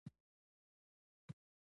هغې له خپل ملګری سره واده وکړ